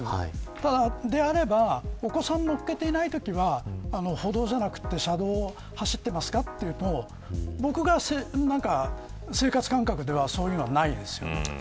そうなのであれば、お子さんを乗っけていないときは歩道ではなくて車道を走っていますかということは僕の生活感覚ではそういうのはないと思います。